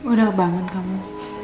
udah bangun kamu